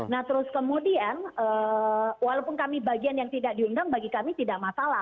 nah terus kemudian walaupun kami bagian yang tidak diundang bagi kami tidak masalah